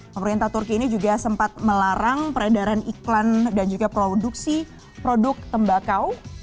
pemerintah turki ini juga sempat melarang peredaran iklan dan juga produksi produk tembakau